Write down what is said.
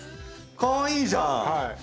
かわいいじゃん！